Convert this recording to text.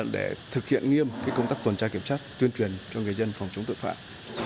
để thực hiện nghiêm cái công tác tuần tra kiểm tra tuyên truyền cho người dân phòng chống tự phạm